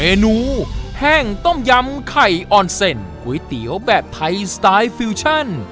เมนูแห้งต้มยำไข่ออนเซ็นก๋วยเตี๋ยวแบบไทยสไตล์ฟิวชั่น